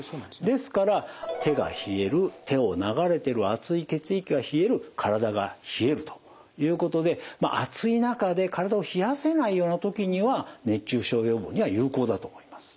ですから手が冷える手を流れてる熱い血液が冷える体が冷えるということで暑い中で体を冷やせないような時には熱中症予防には有効だと思います。